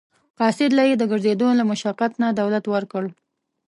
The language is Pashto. قاصد له یې د ګرځېدو له مشقت نه دولت ورکړ.